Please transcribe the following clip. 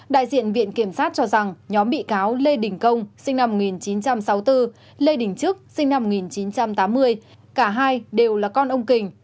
đại diện viện kiểm sát cho rằng nhóm bị cáo lê đình công sinh năm một nghìn chín trăm sáu mươi bốn lê đình trức sinh năm một nghìn chín trăm tám mươi cả hai đều là con ông kình